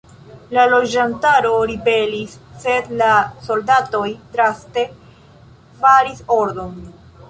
La loĝantaro ribelis, sed la soldatoj draste faris ordon.